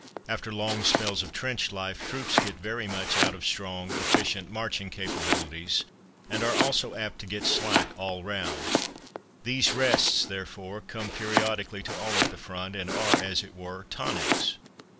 After long spells of trench life, troops get very much out of strong, efficient marching capabilities, and are also apt to get slack all round. These rests, therefore, come periodically to all at the front, and are, as it were, tonics.